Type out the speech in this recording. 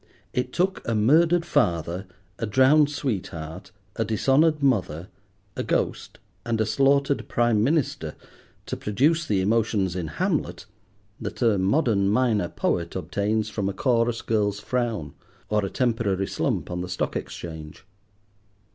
It took a murdered father, a drowned sweetheart, a dishonoured mother, a ghost, and a slaughtered Prime Minister to produce the emotions in Hamlet that a modern minor poet obtains from a chorus girl's frown, or a temporary slump on the Stock Exchange.